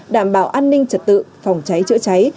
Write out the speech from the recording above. đảm bảo an ninh trật tự phòng cháy chữa cháy